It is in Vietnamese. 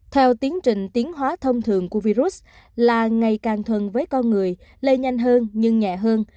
theo tiến trình tiến hóa thông thường của virus là ngày càng thuần với con người lây nhanh hơn nhưng nhẹ hơn